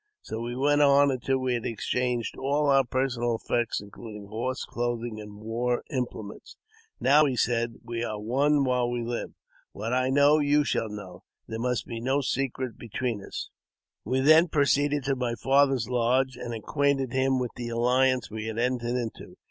So we went on until we had exchanged all our personal effects, including horse, clothing, and war implements. " Now," said he, " we are one while we live. What I know, you shall know ; there must be no secret between us." We then proceeded to my father's lodge, and acquainted him with the alliance we had entered into.